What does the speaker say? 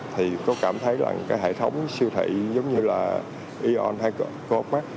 thì có cảm thấy là cái hệ thống siêu thị giống như là eon hay coopmark